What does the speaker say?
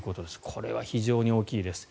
これは非常に大きいです。